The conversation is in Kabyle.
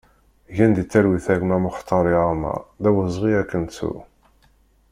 Gen di talwit a gma Muxtari Amar, d awezɣi ad k-nettu!